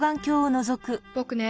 ぼくね